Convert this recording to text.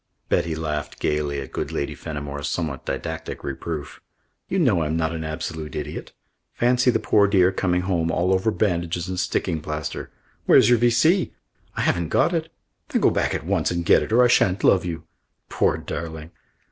Betty laughed gaily at good Lady Fenimore's somewhat didactic reproof. "You know I'm not an absolute idiot. Fancy the poor dear coming home all over bandages and sticking plaster. 'Where's your V. C?' 'I haven't got it.' 'Then go back at once and get it or I shan't love you.' Poor darling!"